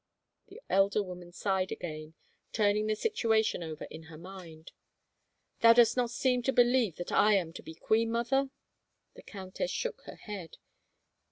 The elder woman sighed again, turning the situation over in her mind. " Thou dost not seem to believe that I am to be queen, mother ?" The countess shook her head.